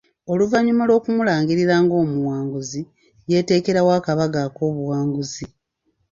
Oluvannyuma lw'okumulangirira ng'omuwanguzi, yategekerawo akabaga ak'obuwanguzi.